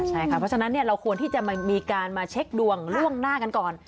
ใช่ค่ะเพราะฉะนั้นเราควรที่จะมีการมาเช็คดวงล่วงหน้ากันก่อน